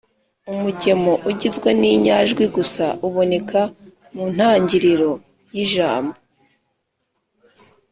Umugemo ugizwe n’inyajwi gusa uboneka mu ntangiriro y’ijambo.